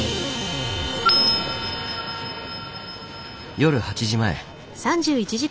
夜８時前。